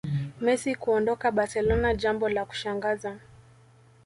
Messi kuondoka barcelona jambo la kushangaza